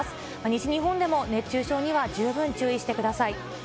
西日本でも熱中症には十分注意してください。